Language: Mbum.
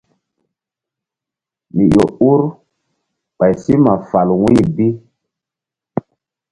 Mi ƴo ur ɓay si fal wu̧y bi.